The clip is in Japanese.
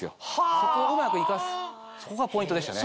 そこをうまく生かすそこがポイントでしたね。